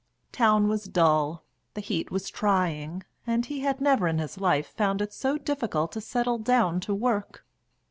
Town was dull, the heat was trying, and he had never in his life found it so difficult to settle down to work.